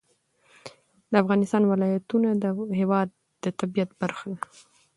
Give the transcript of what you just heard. د افغانستان ولایتونه د هېواد د طبیعت برخه ده.